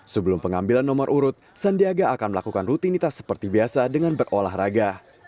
sebelum pengambilan nomor urut sandiaga akan melakukan rutinitas seperti biasa dengan berolahraga